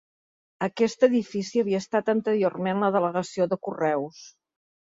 Aquest edifici havia estat anteriorment la delegació de correus.